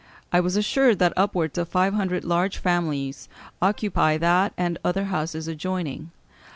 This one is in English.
I was assured that upwards of five hundred large families occupy that and other houses adjoining....